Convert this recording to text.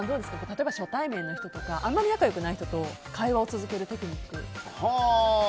例えば初対面の人とかあんまり仲良くない人と会話を続けるテクニック。